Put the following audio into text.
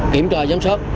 kiểm tra giám sát